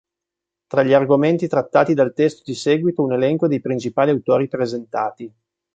Tra gli argomenti trattati dal testo di seguito un elenco dei principali autori presentati.